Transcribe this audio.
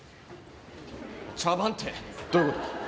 茶番ってどういう事？